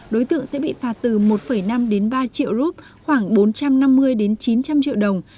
đối tượng sẽ bị phạt từ một năm đến ba triệu rup khoảng bốn trăm năm mươi đến chín trăm linh triệu đồng